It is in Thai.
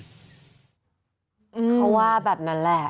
เขาว่าแบบนั้นแหละ